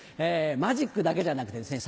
マジックだけじゃなくてですね